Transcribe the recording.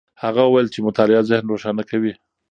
هغه وویل چې مطالعه ذهن روښانه کوي.